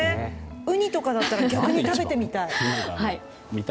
ウニとかだと逆に食べてみたい。